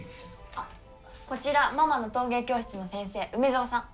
あっこちらママの陶芸教室の先生梅沢さん。